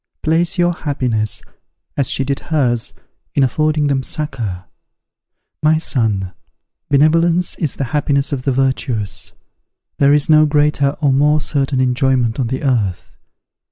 Place your happiness, as she did hers, in affording them succour. My son, beneficence is the happiness of the virtuous: there is no greater or more certain enjoyment on the earth.